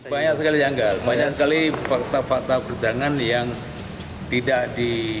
banyak sekali janggal banyak sekali fakta fakta persidangan yang tidak di